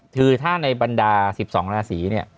คือถ้าในบรรดา๑๒ราศีเนี่ย